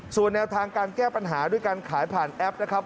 ส่วนแนวทางการแก้ปัญหาด้วยการขายผ่านแอปนะครับ